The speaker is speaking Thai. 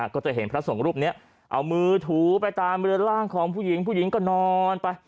ก็จะเห็นพระสงฆ์รูปนี้เอามือถูไปตามเรือนร่างของผู้หญิงผู้หญิงก็นอนไป